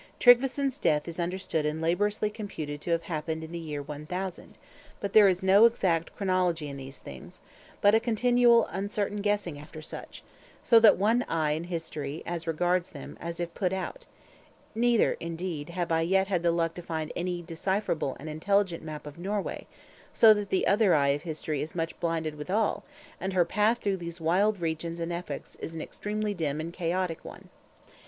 Tryggveson's death is understood and laboriously computed to have happened in the year 1000; but there is no exact chronology in these things, but a continual uncertain guessing after such; so that one eye in History as regards them is as if put out; neither indeed have I yet had the luck to find any decipherable and intelligible map of Norway: so that the other eye of History is much blinded withal, and her path through those wild regions and epochs is an extremely dim and chaotic one.